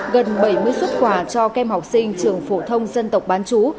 gần bảy mươi xuất quà cho kem học sinh trường phổ thông dân tộc bán chú